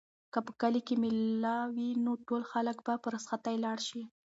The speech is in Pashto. که په کلي کې مېله وي نو ټول خلک به په رخصتۍ لاړ شي.